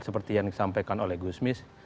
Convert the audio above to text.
seperti yang disampaikan oleh gusmis